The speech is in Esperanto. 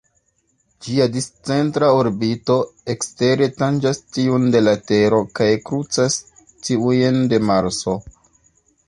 Ĝia discentra orbito ekstere tanĝas tiun de la Tero kaj krucas tiujn de Marso.